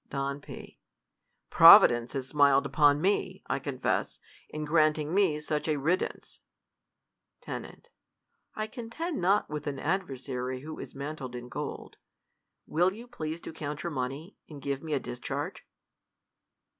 Don P, Providence has smiled upon me, I confess, in granting me such a riddance. Ten. I contead not with an adversary who is man tled in gold. Will you please to count your money, and give me a discharge